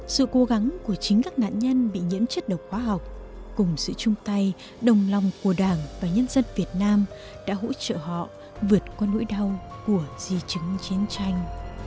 sự cố gắng của chính các nạn nhân bị nhiễm chất độc hóa học cùng sự chung tay đồng lòng của đảng và nhân dân việt nam đã hỗ trợ họ vượt qua nỗi đau của di chứng chiến tranh